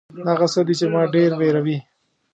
دا هغه څه دي چې ما ډېر وېروي .